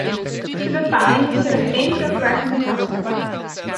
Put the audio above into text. De bepalingen zullen geen terugwerkende kracht hebben.